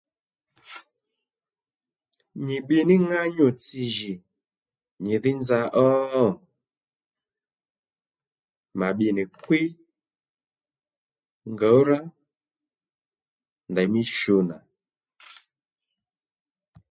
Nyì bbiy ní ŋányǔ-tsi jì nyìdhí nza ó? mà bbi nì kwíy ngǒwrá ndèymí shu nà